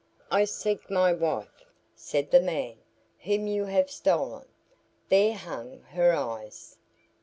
"I seek my wife," said the man, "whom you have stolen. There hang her eyes."